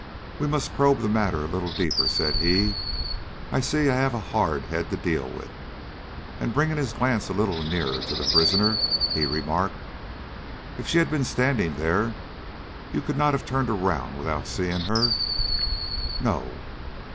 "We must probe the matter a little deeper," said he. "I see I have a hard head to deal with." And, bringing his glance a little nearer to the prisoner, he remarked: "If she had been standing there you could not have turned round without seeing her?" "No."